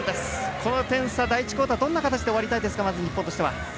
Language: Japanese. この点差、第１クオーターどんな形で終わりたいですか。